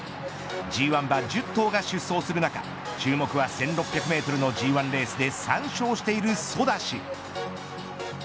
Ｇ１馬、１０頭が出走する中注目は１６００メートルのＧ１レースで３勝しているソダシ。